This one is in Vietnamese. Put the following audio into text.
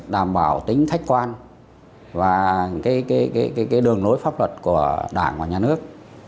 đảm bảo tính thách quan và đường lối pháp luật của đảng và nhà nước